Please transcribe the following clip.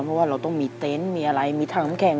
เพราะว่าเราต้องมีเต็นต์มีอะไรมีถังน้ำแข็ง